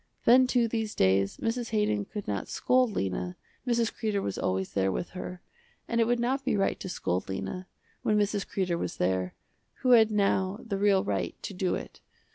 Then too these days Mrs. Haydon could not scold Lena, Mrs. Kreder was always there with her, and it would not be right to scold Lena, when Mrs. Kreder was there, who had now the real right to do it.